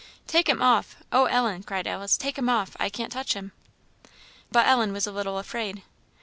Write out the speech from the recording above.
"Take him off oh, Ellen!" cried Alice, "take him off! I can't touch him." But Ellen was a little afraid.